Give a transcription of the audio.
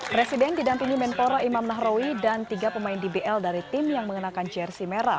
presiden didampingi menpora imam nahrawi dan tiga pemain dbl dari tim yang mengenakan jersi merah